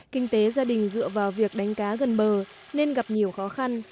kinh tế gia đình dựa vào việc đánh cá gần bờ nên gặp nhiều khó khăn